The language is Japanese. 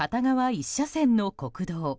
１車線の国道。